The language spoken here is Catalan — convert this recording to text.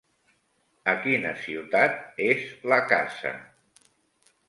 A quina ciutat és la casa?